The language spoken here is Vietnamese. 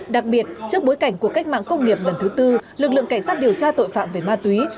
đặc biệt trước bối cảnh của cách mạng công nghiệp lần thứ tư lực lượng cảnh sát điều tra tội phạm về ma túy